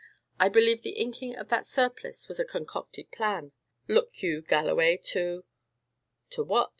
I believe the inking of that surplice was a concocted plan, look you, Galloway, to " "To what?"